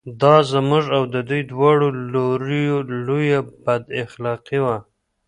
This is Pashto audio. دا زموږ او د دوی دواړو لوریو لویه بد اخلاقي وه.